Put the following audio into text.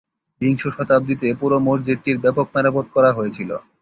বিংশ শতাব্দীতে পুরো মসজিদটির ব্যাপক মেরামত করা হয়েছিল।